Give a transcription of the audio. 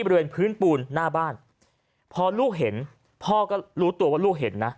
บริเวณพื้นปูนหน้าบ้านพอลูกเห็นพ่อก็รู้ตัวว่าลูกเห็นนะ